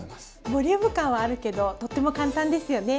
ボリューム感はあるけどとっても簡単ですよね。